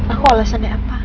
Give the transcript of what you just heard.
aku alasannya apa